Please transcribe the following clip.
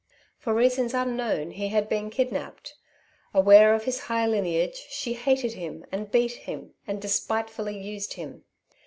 For reasons unknown he had been kidnapped. Aware of his high lineage, she hated him and beat him and despitefully used him.